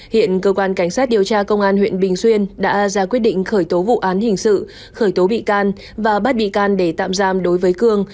hiện cơ quan cảnh sát điều tra công an huyện bình xuyên đã ra quyết định khởi tố vụ án hình sự khởi tố bị can và bắt bị can để tạm giam đối với cương